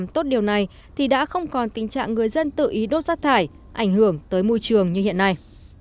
tình trạng người dân tự ý đốt rác thải ảnh hưởng tới môi trường như hiện nay